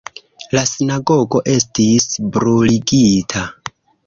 La sinagogo estis bruligita.